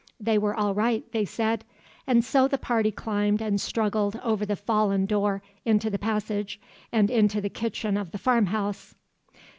They were all right, they said. And so the party climbed and struggled over the fallen door into the passage, and into the kitchen of the farmhouse.